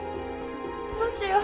どうしよう。